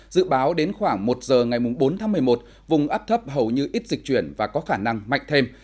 dự báo đến khoảng một giờ ngày bốn tháng một mươi một vùng áp thấp hầu như ít dịch chuyển và có khả năng mạnh thêm